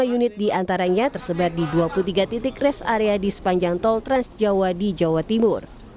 dua puluh unit diantaranya tersebar di dua puluh tiga titik rest area di sepanjang tol trans jawa di jawa timur